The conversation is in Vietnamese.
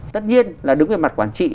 tất nhiên là đứng về mặt quản trị